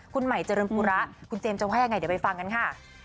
คุณใหม่เจริญปุระคุณเจมส์จะว่ายังไงเดี๋ยวไปฟังกันค่ะ